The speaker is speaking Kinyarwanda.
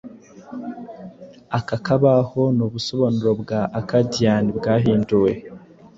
Aka kabaho ni ubusobanuro bwa Akadian bwahinduwe